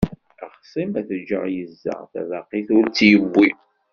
Axṣim ad t-ǧǧeɣ yezza, tabaqit ur tt-yewwi.